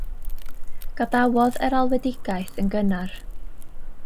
Gadawodd yr alwedigaeth yn gynnar.